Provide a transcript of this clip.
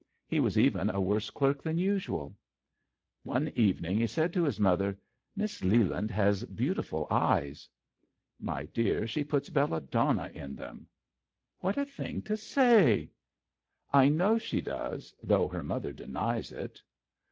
He was even a worse clerk than usual. One evening he said to his mother, " Miss Leland has beautiful eyes." "My dear, she puts belladonna in them." " What a thing to say !"" I know she does,'*though her mother denies it."